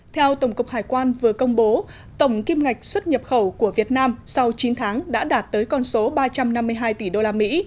theo tổng cục hải quan vừa công bố tổng kim ngạch xuất nhập khẩu của việt nam sau chín tháng đã đạt tới con số ba trăm năm mươi hai tỷ đô la mỹ